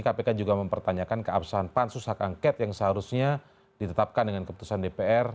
kpk juga mempertanyakan keabsahan pansus hak angket yang seharusnya ditetapkan dengan keputusan dpr